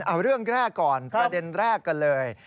เอาเรื่องแรกก่อนประเด็นแรกกันเลย